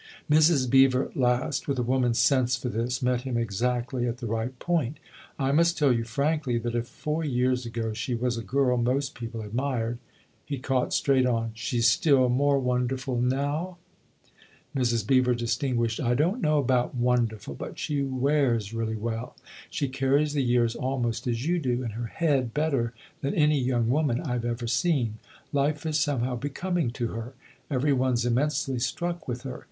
Mrs. Beever at last, with a woman's sense for this, met him exactly at the right point. " I must tell you frankly that if four years ago she was a girl most people admired : He caught straight on. " She's still more won derful now ?" Mrs. Beever distinguished. " I don't know about ' wonderful,' but she wears really well. She carries the years almost as you do, and her head better than any young woman I've ever seen. Life is somehow becoming to her. Every one's immensely struck with her.